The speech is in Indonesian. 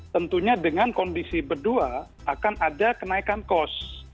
tentunya dengan kondisi berdua akan ada kenaikan kos